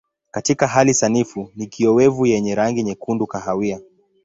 Katika hali sanifu ni kiowevu yenye rangi nyekundu kahawia.